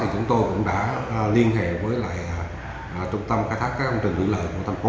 chúng tôi cũng đã liên hệ với trung tâm khai thác các công trình lưỡi lợi của thành phố